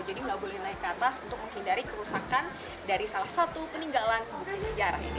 jadi gak boleh naik ke atas untuk menghindari kerusakan dari salah satu peninggalan di sejarah ini